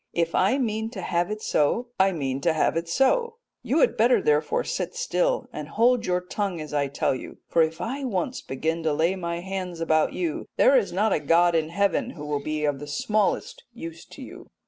If I mean to have it so, I mean to have it so, you had better therefore sit still and hold your tongue as I tell you, for if I once begin to lay my hands about you, there is not a god in heaven who will be of the smallest use to you.'